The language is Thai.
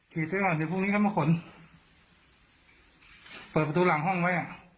หนักเลยนะ